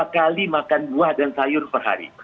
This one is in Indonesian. dua kali makan buah dan sayur per hari